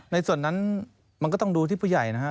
ในส่วนนั้นมันก็ต้องดูที่ผู้ใหญ่นะฮะ